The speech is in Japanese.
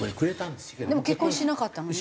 でも結婚しなかったのに？